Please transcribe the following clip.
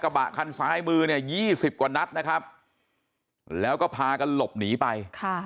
บะคันซ้ายมือเนี่ย๒๐กว่านัดนะครับแล้วก็พากันหลบหนีไป